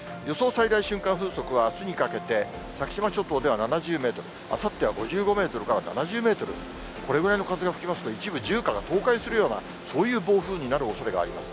最大瞬間風速は、あすにかけて、先島諸島では７０メートル、あさっては５５メートルから７０メートル、これぐらいの風が吹きますと、一部、住家が倒壊するような、そういう暴風になるおそれがあります。